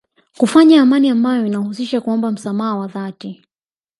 Kufanya amani ambayo inahusisha kuomba msamaha wa dhati